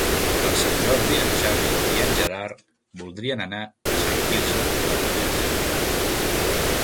Per Sant Jordi en Xavi i en Gerard voldrien anar a Sant Quirze del Vallès.